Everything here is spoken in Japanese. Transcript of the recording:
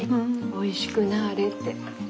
おいしくなれって。